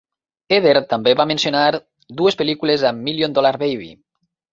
Ebert també va mencionar dues pel·lícules amb "Million Dollar Baby".